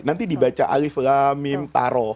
nanti dibaca alif lam mim taro